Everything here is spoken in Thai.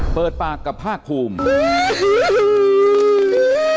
เปิดปากกับภาคภูมิ